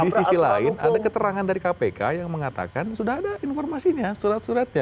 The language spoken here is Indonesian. di sisi lain ada keterangan dari kpk yang mengatakan sudah ada informasinya surat suratnya